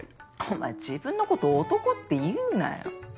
お前自分のこと男って言うなよ。